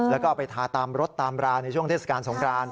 แล้วก็เอาไปทาตามรถตามราในช่วงเทศกาลสงคราน